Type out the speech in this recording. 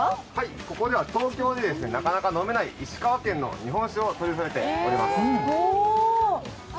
ここでは東京ではなかなか飲めない石川県の日本酒を取りそろえております。